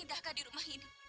daka di rumah ini